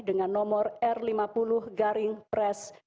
dengan nomor r lima puluh garing pres